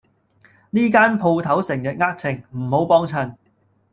呢間舖頭成日呃秤，唔好幫襯